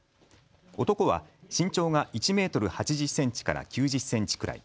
男は身長が１メートル８０センチから９０センチくらい。